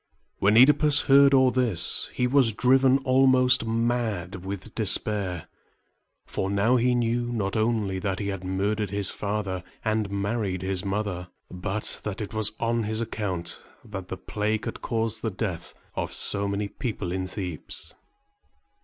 When OEdipus heard all this, he was driven almost mad with despair; for now he knew not only that he had murdered his father and married his mother, but that it was on his account that the plague had caused the death of so many people in Thebes.